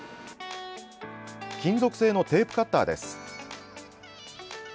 金属製のテープカッターです。